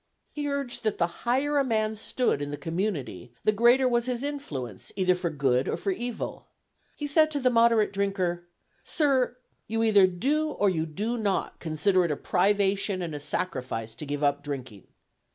He urged that the higher a man stood in the community, the greater was his influence either for good or for evil. He said to the moderate drinker: "Sir, you either do or you do not consider it a privation and a sacrifice to give up drinking.